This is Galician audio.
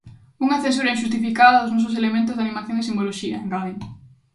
Unha censura inxustificada dos nosos elementos de animación e simboloxía, engaden.